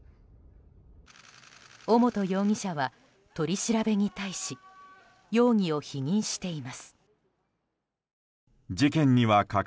尾本容疑者は取り調べに対し容疑を否認しています。